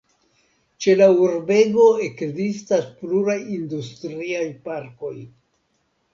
Ĉe la urbego ekzistas pluraj industriaj parkoj.